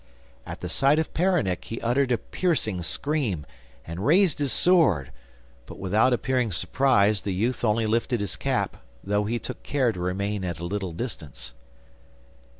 At the sight of Peronnik he uttered a piercing scream, and raised his sword, but without appearing surprised the youth only lifted his cap, though he took care to remain at a little distance.